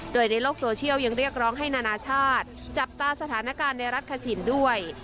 โดยในโลกโซเชียลยังเรียกร้องให้นานาชาติจับตาสถานการณ์ในรัฐคชินด้วย